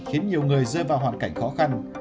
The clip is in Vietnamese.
khiến nhiều người rơi vào hoàn cảnh khó khăn